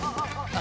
あ！